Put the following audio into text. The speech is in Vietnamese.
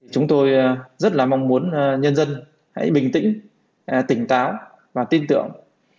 chúng tôi rất là mong muốn nhân dân hãy bình tĩnh tỉnh táo và tin tưởng